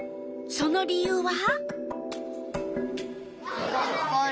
その理由は？